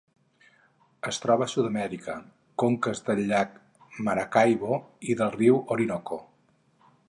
Es troba a Sud-amèrica: conques del llac Maracaibo i del riu Orinoco.